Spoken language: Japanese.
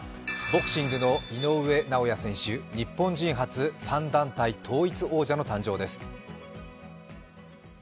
ボクシングの井上尚弥選手、日本人初３団体統一王者の誕生です。